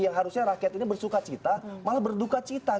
yang harusnya rakyat ini bersuka cita malah berduka cita